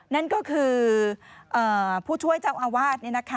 นั่นก็คือผู้ช่วยเจ้าอาวาส